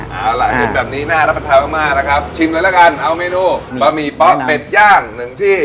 เอาล่ะเห็นแบบนี้น่ารับประทานมากมากนะครับชิมเลยละกันเอาเมนูบะหมี่เป๊ะเป็ดย่างหนึ่งที่